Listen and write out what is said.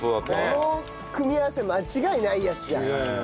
この組み合わせ間違いないやつじゃん。